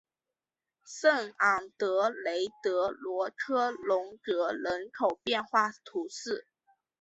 圣昂德雷德罗科龙格人口变化图示